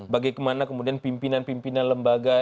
bagaimana kemudian pimpinan pimpinan lembaga